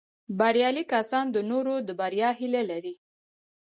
بریالي کسان د نورو د بریا هیله لري